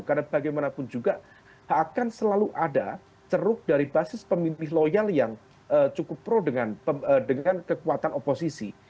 karena bagaimanapun juga akan selalu ada ceruk dari basis pemimpin loyal yang cukup pro dengan kekuatan oposisi